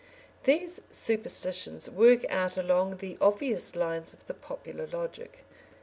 These superstitions work out along the obvious lines of the popular logic.